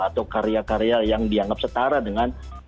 atau karya karya yang dianggap setara dengan karya karya lain